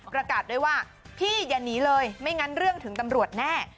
ประกาศด้วยว่าพี่อย่าหนีเลยไม่งั้นเรื่องถึงตำรวจแน่